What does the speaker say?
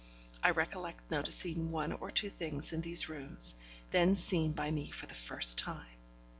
I recollect noticing one or two things in these rooms, then seen by me for the first time.